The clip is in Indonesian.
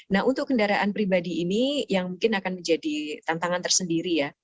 nah untuk kendaraan pribadi ini yang mungkin akan menjadi tantangan tersendiri ya